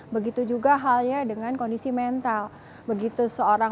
begitu juga halnya dengan kondisi mental kita kita bisa berdampak pada perilaku kita di keseharian